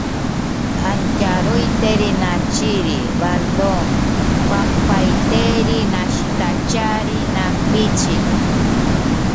La mayor parte de Waldorf es plana, particularmente la zona este de la ciudad.